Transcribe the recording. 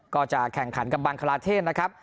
ก็จะแข่งขันกับบังคลาเทศนะครับ